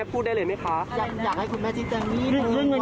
เป็นการพูดคุยเรื่องต้น